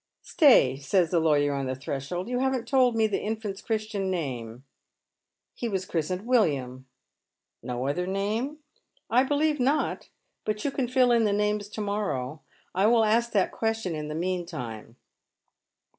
" Stay," says the lawyer on the threshold, " You haven't told me the infant's Christian name." " He was christened William. " No other name ?"" I believe not. But you can fill in the names to morrow. I ^ill ask that question in the meantime."